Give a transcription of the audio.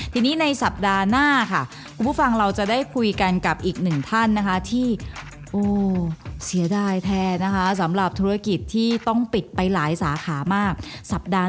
ทีนี้ในสัปดาห์หน้าค่ะ